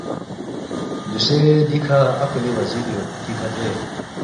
”دوسے دیکھہ عقلی وزیر یود دیکھہ دے